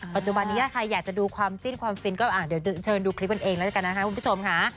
ปัจจุบันนี้ถ้าใครอยากจะดูความจิ้นความฟินก็เดี๋ยวเชิญดูคลิปกันเองแล้วกันนะคะคุณผู้ชมค่ะ